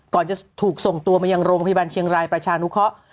จะถูกส่งตัวมายังโรงพยาบาลเชียงรายประชานุเคราะห์